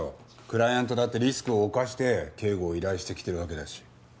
クライアントだってリスクを冒して警護を依頼してきてるわけだし。